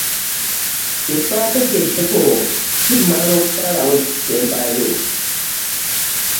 Kye twategeddeko kitumala okusalawo ekisembayo.